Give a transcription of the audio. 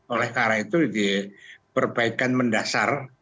oleh karena itu diperbaikan mendasar